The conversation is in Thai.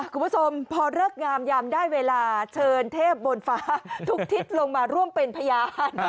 คุณผู้ชมพอเลิกงามยามได้เวลาเชิญเทพบนฟ้าทุกทิศลงมาร่วมเป็นพยาน